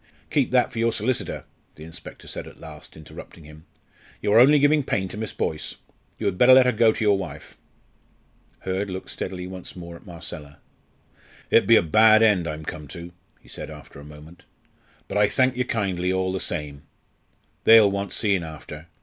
"Keep that for your solicitor," the inspector said at last, interrupting him; "you are only giving pain to Miss Boyce. You had better let her go to your wife." Hurd looked steadily once more at Marcella. "It be a bad end I'm come to," he said, after a moment. "But I thank you kindly all the same. They'll want seein' after."